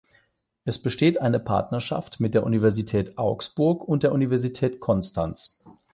Es besteht eine Partnerschaft mit der Universität Augsburg und der Universität Konstanz.